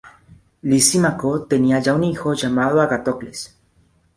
Lisímaco tenía ya un hijo llamado Agatocles.